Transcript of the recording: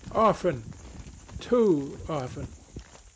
"Often. Too often."